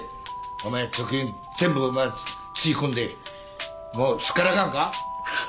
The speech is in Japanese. お前貯金全部つぎ込んでもうすっからかんか？